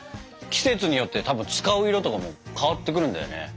季節によってたぶん使う色とかも変わってくるんだよね。